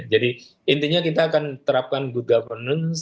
jadi intinya kita akan terapkan good governance